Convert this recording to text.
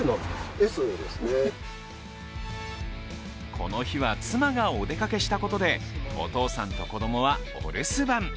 この日は妻がお出かけしたことでお父さんと子供はお留守番。